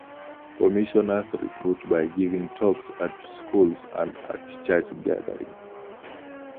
Commissioners recruit by giving talks at schools and at church gatherings.